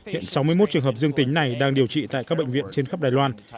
hiện sáu mươi một trường hợp dương tính này đang điều trị tại các bệnh viện trên khắp đài loan